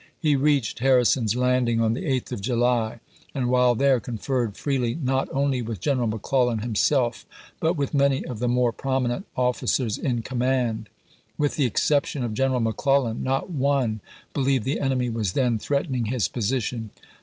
He reached Harrison's Landing on the 8th of July, and while there con ferred freely, not only with General McClellan him self, but with many of the more prominent officers in command. With the exception of General Mc Clellan, not one believed the enemy was then threatening his position.